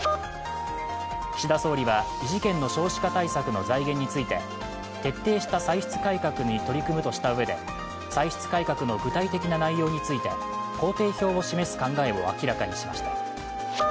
岸田総理は異次元の少子化対策の財源について徹底した歳出改革に取り組むとしたうえで歳出改革の具体的な内容について工程表を示す考えを明らかにしました。